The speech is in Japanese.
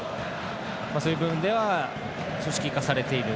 そういう部分では組織化されている。